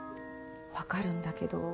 分かるんだけど。